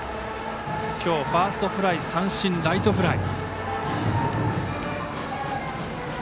今日、ファーストフライ三振、ライトフライ。